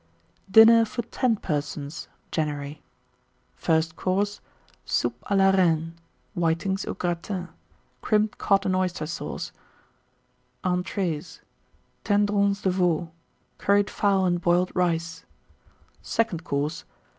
1889. DINNER FOR 10 PERSONS (January). FIRST COURSE. Soup à la Reine. Whitings au Gratin. Crimped Cod and Oyster Sauce. ENTREES. Tendrons de Veau. Curried Fowl and Boiled Rice. SECOND COURSE.